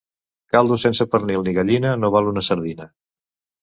Caldo sense pernil ni gallina no val una sardina.